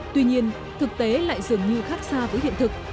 tuy nhiên thực tế lại dường như khác xa với hiện thực